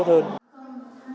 mình cũng xin việc